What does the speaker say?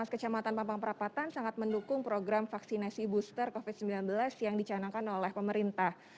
kecamatan sangat mendukung program vaksinasi booster covid sembilan belas yang dicanakan oleh pemerintah